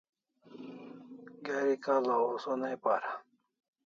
Geri k'la' o sonai para